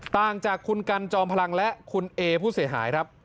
ต่างจากคุณกันจอมพลังและคุณเอผู้เสียหายครับ